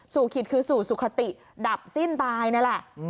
ขิตคือสู่สุขติดับสิ้นตายนั่นแหละ